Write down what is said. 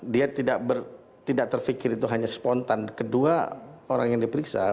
dia tidak terfikir itu hanya spontan kedua orang yang diperiksa